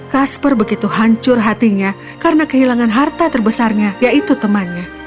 kasper begitu hancur hatinya karena kehilangan harta terbesarnya yaitu temannya